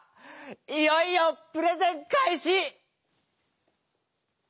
いよいよプレゼンかいし！